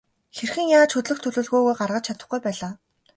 Хэрхэн яаж хөдлөх төлөвлөгөөгөө гаргаж чадахгүй байлаа.